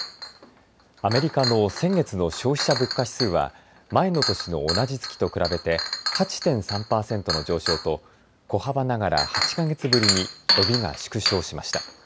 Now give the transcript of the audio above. アメリカの先月の消費者物価指数は前の年の同じ月と比べて８．３パーセントの上昇と小幅ながら８か月ぶりに伸びが縮小しました。